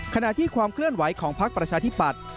ขณะที่ความเคลื่อนไหวของพักประชาธิปัตย